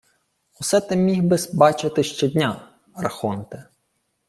— Усе те міг би-с бачити щодня, архонте...